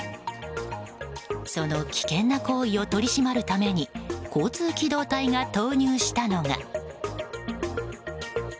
その危険な行為を取り締まるために交通機動隊が投入したのが。